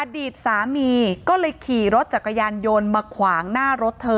อดีตสามีก็เลยขี่รถจักรยานยนต์มาขวางหน้ารถเธอ